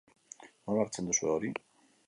Nola hartzen duzue hori?